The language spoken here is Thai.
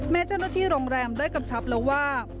เจ้าหน้าที่โรงแรมได้กำชับแล้วว่า